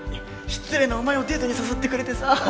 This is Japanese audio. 失礼なお前をデートに誘ってくれてさ